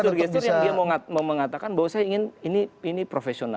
itu adalah gestur gestur yang dia mau mengatakan bahwa saya ingin ini profesional